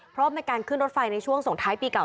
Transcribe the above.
เพราะในการขึ้นรถไฟในช่วงส่งท้ายปีเก่า